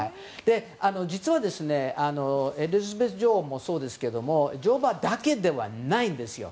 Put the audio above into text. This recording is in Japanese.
実はエリザベス女王もそうですけど乗馬だけではないんですよ。